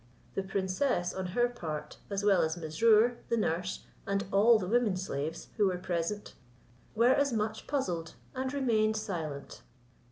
The princess on her part, as well as Mesrour, the nurse, and all the women slaves, who were present, were as much puzzled, and remained silent.